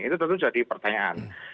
itu tentu jadi pertanyaan